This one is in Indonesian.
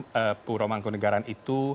pura pura manggung negara itu